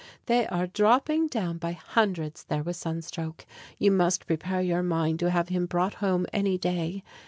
They are dropping down by hundreds there with sun stroke. You must prepare your mind to have him brought home any day.